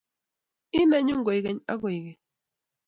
Ii nenyu koigeny ak koigeny